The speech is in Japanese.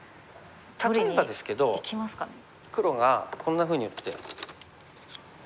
例えばですけど黒がこんなふうに打って。